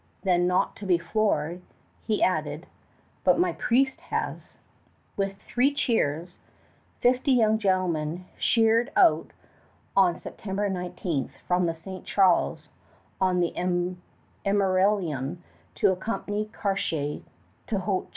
Then, not to be floored, he added, "but my priest has." With three cheers, fifty young gentlemen sheered out on September 19 from the St. Charles on the Emerillon to accompany Cartier to Hochelaga.